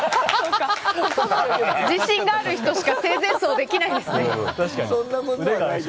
自信がある人しか生前葬できないですね。